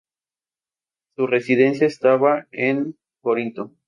Su residencia estaba en Corinto.